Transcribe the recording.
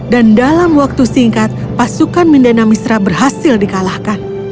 dan dalam waktu singkat pasukan mindana mishra berhasil dikalahkan